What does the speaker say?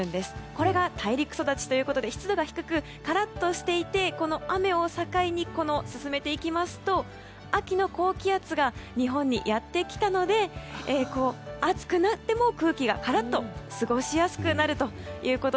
これが大陸育ちということで湿度が低くカラッとしていて、雨を境に秋の高気圧が日本にやってきたので暑くなっても空気がカラッと過ごしやすくなると。